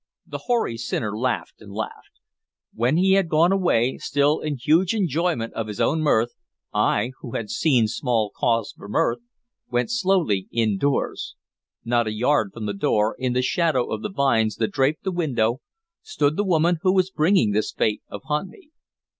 The hoary sinner laughed and laughed. When he had gone away, still in huge enjoyment of his own mirth, I, who had seen small cause for mirth, went slowly indoors. Not a yard from the door, in the shadow of the vines that draped the window, stood the woman who was bringing this fate upon me.